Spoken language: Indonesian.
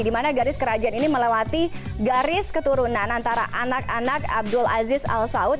dimana garis kerajaan ini melewati garis keturunan antara anak anak abdulaziz al saud